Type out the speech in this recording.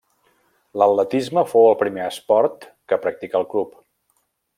L'atletisme fou el primer esport que practicà el club.